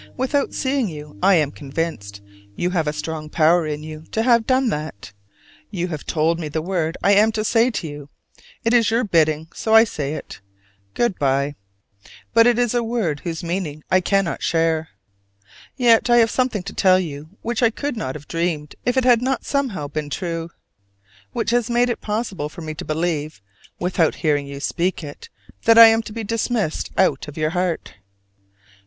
Without seeing you I am convinced: you have a strong power in you to have done that! You have told me the word I am to say to you: it is your bidding, so I say it Good by. But it is a word whose meaning I cannot share. Yet I have something to tell you which I could not have dreamed if it had not somehow been true: which has made it possible for me to believe, without hearing you speak it, that I am to be dismissed out of your heart.